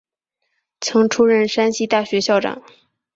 曾出任山西大学校长。